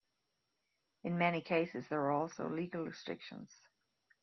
In many cases there are also legal restrictions.